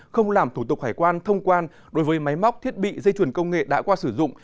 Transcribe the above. không làm thủ tục hải quan thông quan đối với máy móc thiết bị dây chuyển công nghệ đã qua sử dụng